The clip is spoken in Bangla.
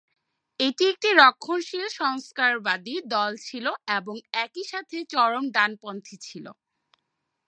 এটি একটি রক্ষণশীল সংস্কারবাদী দল ছিল এবং একই সাথে চরম ডানপন্থী ছিল।